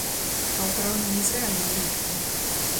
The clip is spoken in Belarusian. А ў параўнанні з рэальнымі лічбамі?